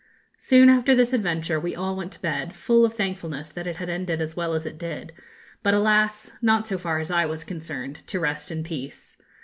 Soon after this adventure we all went to bed, full of thankfulness that it had ended as well as it did; but, alas, not, so far as I was concerned, to rest in peace.